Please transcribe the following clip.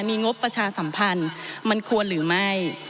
มีงบประชาสัมพันธ์มันควรหรือไม่